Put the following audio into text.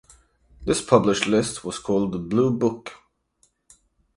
This published list was called the "Blue Book".